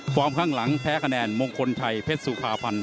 ความข้างหลังแพ้คะแนนมงคลไชยเพชรสุภาพันธุ์